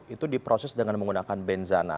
itu diproses dengan menggunakan benzana